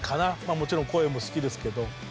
もちろん声も好きですけど。